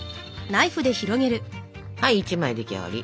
はい１枚出来上がり。